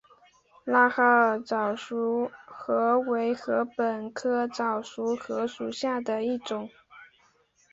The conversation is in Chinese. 拉哈尔早熟禾为禾本科早熟禾属下的一个种。